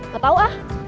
gak tau ah